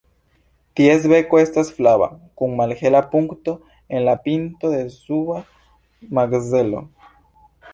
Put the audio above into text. Ties beko estas flava kun malhela punkto en la pinto de suba makzelo.